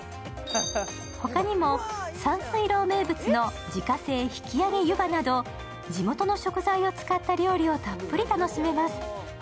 ほかにも山翠楼名物の自家製引き上げ湯葉など、地元の食材を使った料理をたっぷり楽しめます。